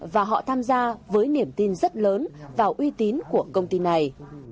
và họ tham gia với niềm tin rất lớn vào uy tín của công ty này